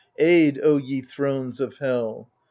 aid, O ye thrones of Hell!